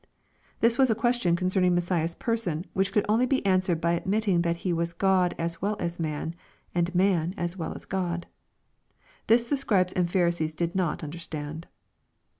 ] This was a question concerning Messiah's person, which could only be answered by admitting that He was Grod as well as man, and man as well as GU)d. Tim the Scribes and Pharisees did not understand.